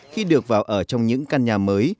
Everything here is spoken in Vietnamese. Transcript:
khi được vào ở trong những căn nhà mới